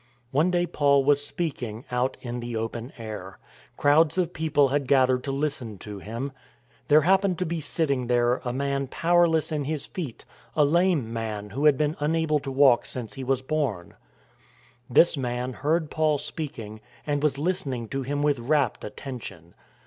One day Paul was speaking out in the open air. Crowds of people had gathered to listen to him. There happened to be sitting there a man powerless in his feet, a lame man who had been unable to walk since he was born. This man heard Paul speaking, and was listening to him with rapt attention.